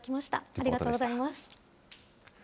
ありがとうございます。